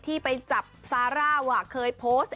ที่ไปจับซาร่าเคยโพสต์